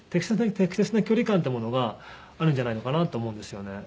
適切な距離感っていうものがあるんじゃないのかなと思うんですよね。